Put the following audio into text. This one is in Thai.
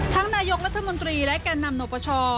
ทั้งนายกรัฐมนตรีและการนำนบช